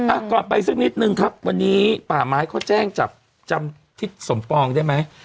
อ่ะก่อนไปสักนิดนึงครับวันนี้ป่าไม้เขาแจ้งจับจำทิศสมปองได้ไหม